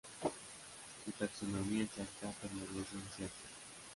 Su taxonomía exacta permanece incierta.